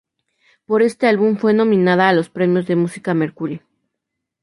Por este álbum fue nominada a los Premios de Música Mercury.